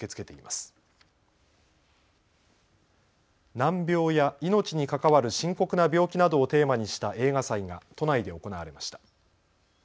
難病や命に関わる深刻な病気などをテーマにした映画祭が都内で行われました。